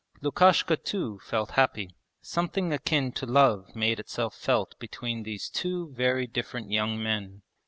Lukashka too felt happy; something akin to love made itself felt between these two very different young men.